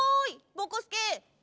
ぼこすけ。